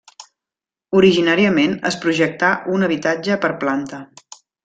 Originàriament es projectà un habitatge per planta.